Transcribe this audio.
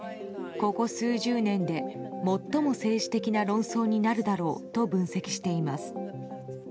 ここ数十年で最も政治的な論争になるだろうと分析しています。